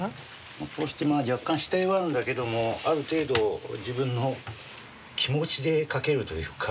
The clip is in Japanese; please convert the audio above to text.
こうしてまあ若干下絵はあるんだけどもある程度自分の気持ちで描けるというか。